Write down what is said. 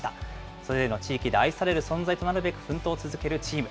それぞれの地域で愛される存在となるべく奮闘を続けるチーム。